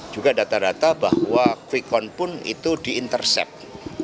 juga data data bahwa quickon pun itu diintercept